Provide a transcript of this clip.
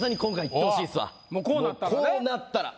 もうこうなったらね。